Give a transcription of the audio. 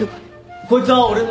こいつは俺の